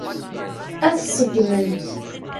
Ad t-ṣeggment.